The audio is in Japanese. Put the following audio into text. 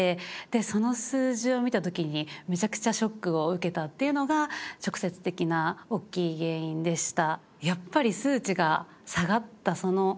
その数字を見た時にめちゃくちゃショックを受けたっていうのが直接的なおっきい原因でした。